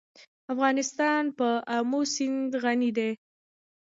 افغانستان په آمو سیند غني دی.